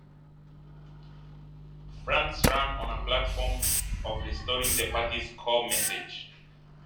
Franks ran on a platform of restoring the party's core message.